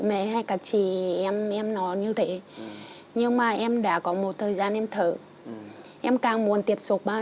mẹ hay các chị em em nó như thế nhưng mà em đã có một thời gian em thở em càng muốn tiếp xúc bao